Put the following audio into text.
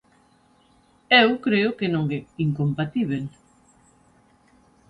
Eu creo que non é incompatíbel.